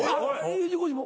Ｕ字工事も？